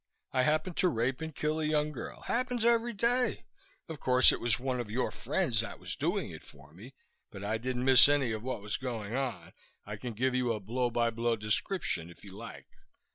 I happened to rape and kill a young girl. Happens every day. Of course, it was one of your friends that was doing it for me, but I didn't miss any of what was going on, I can give you a blow by blow description if you like.